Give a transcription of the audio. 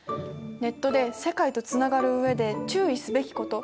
ネットで世界とつながる上で注意すべきこと。